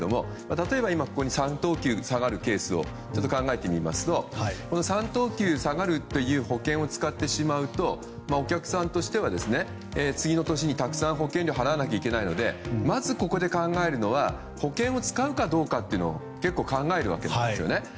例えば今ここに３等級下がるケースを考えてみますと３等級下がるという保険を使ってしまうとお客さんとしては次の年にたくさん保険料を払わなければいけないのでまず、ここで考えるのは保険を使うかどうかというのを結構、考えるわけですね。